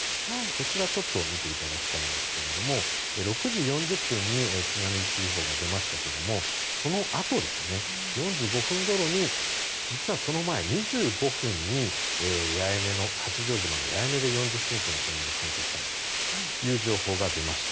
こちらちょっと見ていただきたいんですけれども６時４０分に津波注意報が出ましたがそのあと４５分ごろに実はその前、２５分に八丈島の八重根で４０ｃｍの津波が観測されたという情報が出ました。